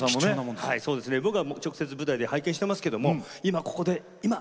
僕は直接舞台で拝見してますけども今ここで今聴けると。